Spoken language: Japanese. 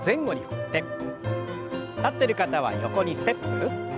立ってる方は横にステップ。